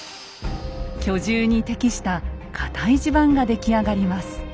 居住に適した堅い地盤が出来上がります。